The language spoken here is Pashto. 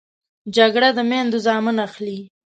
جګړه د میندو زامن اخلي